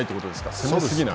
攻め過ぎない。